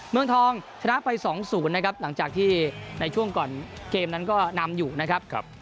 เมืองทองชนะไป๒๐นะครับหลังจากที่ในช่วงก่อนเกมนั้นก็นำอยู่นะครับ